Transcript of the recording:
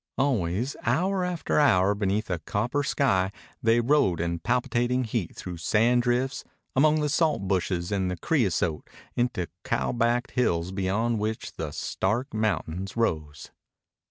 Always, hour after hour beneath a copper sky, they rode in palpitating heat through sand drifts, among the salt bushes and the creosote, into cowbacked hills beyond which the stark mountains rose.